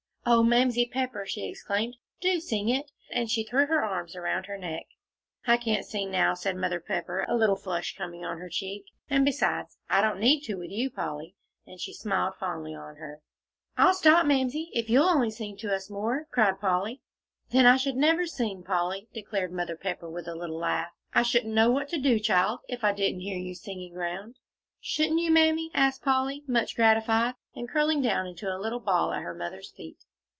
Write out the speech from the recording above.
"Oh, Mamsie Pepper!" she exclaimed, "do sing it," and she threw her arms around her neck. "I can't sing now," said Mother Pepper, a little flush coming on her cheek, "and besides, I don't need to, with you, Polly," and she smiled fondly on her. "I'll stop, Mamsie if you'll only sing to us more," cried Polly. "Then I never should sing, Polly," declared Mother Pepper, with a little laugh. "I shouldn't know what to do, child, if I didn't hear you singing round." "Shouldn't you, Mammy?" asked Polly, much gratified, and curling down into a little ball at her mother's feet.